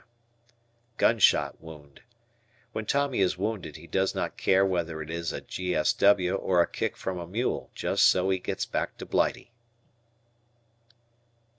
G.S.W. Gunshot wound. When Tommy is wounded he does not care whether it is a G.S.W. or a kick from a mule, just so he gets back to Blighty.